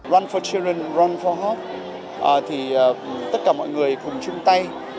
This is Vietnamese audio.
run for children run for hope tất cả mọi người cùng chung tay